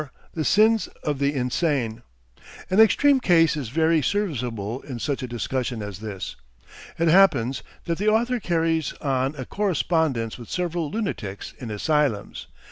THE SINS OF THE INSANE An extreme case is very serviceable in such a discussion as this. It happens that the author carries on a correspondence with several lunatics in asylums.